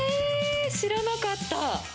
知らなかった！